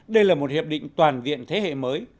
đây là một hiệp định toàn diện thế hệ mới